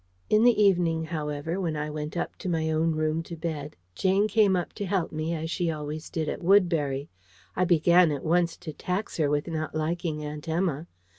In the evening, however, when I went up to my own room to bed, Jane came up to help me as she always did at Woodbury. I began at once to tax her with not liking Aunt Emma.